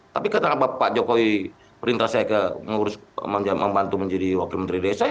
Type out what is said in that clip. tapi ketika pak jokowi perintah saya ke ngurus membantu menjadi wakil menteri desa